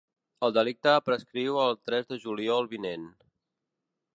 El delicte prescriu el tres de juliol vinent.